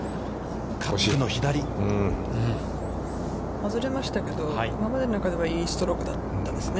外れましたけど、今までの中ではいいストロークだったですよね。